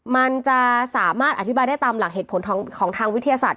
มันจะสามารถอธิบายได้ตามหลักเหตุผลของทางวิทยาศาสต